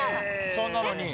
それなのに。